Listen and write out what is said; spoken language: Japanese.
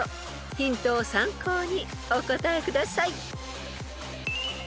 ［ヒントを参考にお答えください］